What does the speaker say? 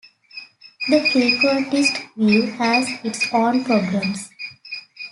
The frequentist view has its own problems.